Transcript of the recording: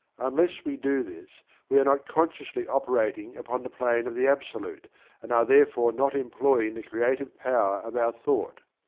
Unless we do this we are not consciously operating upon the plane of the absolute, and are therefore not employing the creative power of our thought.